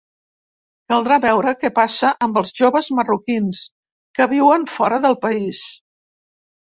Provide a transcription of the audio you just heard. Caldrà veure què passa amb els joves marroquins que viuen fora del país.